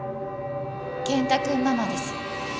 健太君ママです。